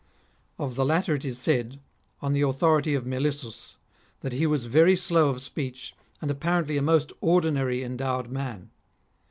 Of the latter it is said, on the authority of Melissus, that he was very slow of speech, and apparently a most ordinary endowed man.